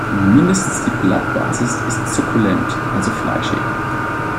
Mindestens die Blattbasis ist sukkulent, also fleischig.